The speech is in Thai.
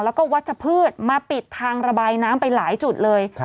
แล้วก็วัชพืชมาปิดทางระบายน้ำไปหลายจุดเลย